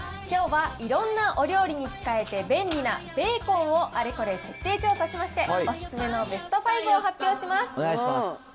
きょうは、いろんなお料理に使えて便利なベーコンをあれこれ徹底調査しまして、おすすめのベスト５を発表します。